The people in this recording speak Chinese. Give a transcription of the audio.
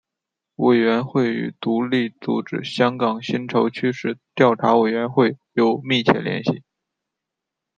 委员会与独立组织香港薪酬趋势调查委员会有密切联系。